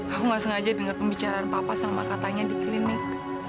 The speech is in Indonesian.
aku gak sengaja dengar pembicaraan papa sama katanya di klinik